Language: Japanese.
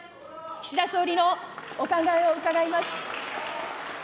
岸田総理のお考えを伺います。